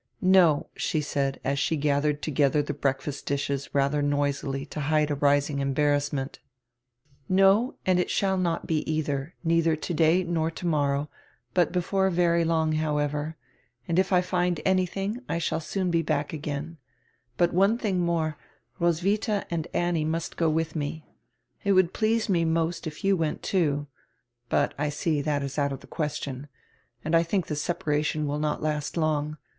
"No," she said, as she gathered together the breakfast dishes rather noisily to hide a rising embarrassment, "no, and it shall not be either, neither today nor tomorrow^, but before very long, however. And if I find anything I shall soon be back again. But one tiring nrore, Roswitha and Annie nrust go with nre. It would please nre nrost if you went too. But, I see, that is out of tire question. And I think tire separation will not last long.